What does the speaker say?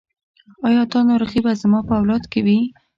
ایا دا ناروغي به زما په اولاد کې وي؟